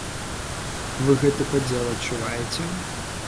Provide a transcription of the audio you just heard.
Вы гэты падзел адчуваеце?